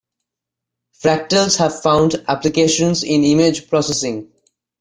Fractals have found applications in image processing.